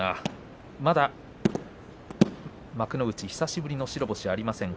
まだ幕内久しぶりの白星はありません。